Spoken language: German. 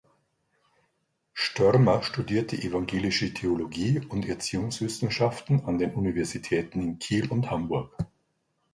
Störmer studierte Evangelische Theologie und Erziehungswissenschaften an den Universitäten in Kiel und Hamburg.